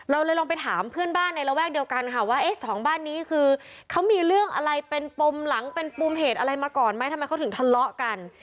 เราเลยลองไปถามเพื่อนบ้านในระแวกเดียวกันค่ะว่าเอ๊ะสองบ้านนี้คือเขามีเรื่องอะไรเป็นปมหลังเป็นปมเหตุอะไรมาก่อนไหมทำไมเขาถึงทะเลาะกัน